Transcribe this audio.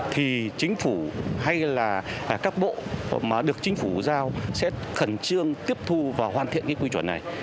thì chính phủ hay là các bộ mà được chính phủ giao sẽ khẩn trương tiếp thu và hoàn thiện cái quy chuẩn này